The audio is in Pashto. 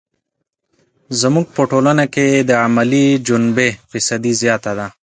زموږ په ټولنه کې یې د عملي جنبې فیصدي زیاته ده.